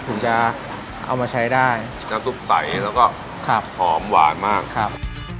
ถึงจะเอามาใช้ได้น้ำซุปใสแล้วก็ครับหอมหวานมากครับ